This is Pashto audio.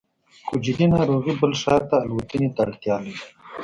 خو جدي ناروغۍ بل ښار ته الوتنې ته اړتیا لري